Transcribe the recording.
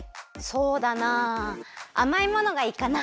そうだなあまいものがいいかな。